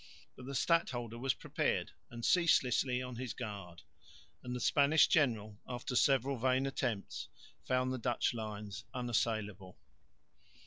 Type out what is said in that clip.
But the stadholder was prepared and ceaselessly on his guard; and the Spanish general, after several vain attempts, found the Dutch lines unassailable.